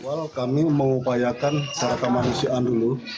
kalau kami mau upayakan syarat kemanusiaan dulu